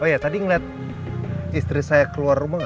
oh iya tadi ngeliat istri saya keluar rumah gak